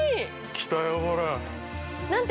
◆来たよ、ほらっ。